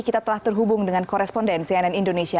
kita telah terhubung dengan koresponden cnn indonesia